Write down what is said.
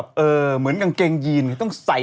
เก๋าคืออะไร